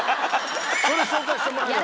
それ紹介してもらえれば。